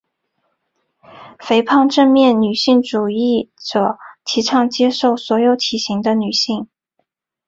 肥胖正面女性主义者提倡接受所有体型的女性。